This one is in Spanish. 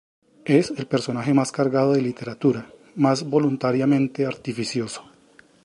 Es el personaje más cargado de literatura, más voluntariamente artificioso.